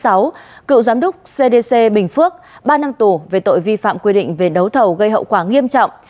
nguyễn văn sáu cựu giám đốc cdc bình phước ba năng tù về tội vi phạm quy định về đấu thầu gây hậu quả nghiêm trọng